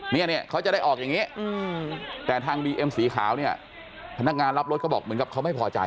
เนี่ยเขาจะได้ออกอย่างนี้แต่ทางบีเอ็มสีขาวเนี่ยพนักงานรับรถเขาบอกเหมือนกับเขาไม่พอใจ